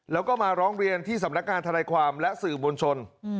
แล้วก็มาร้องเรียนที่สำนักงานธนายความและสื่อมวลชน